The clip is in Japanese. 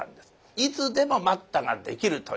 いつでも「待った」ができるという。